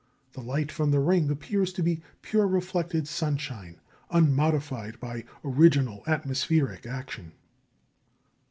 The light from the ring appears to be pure reflected sunshine unmodified by original atmospheric action.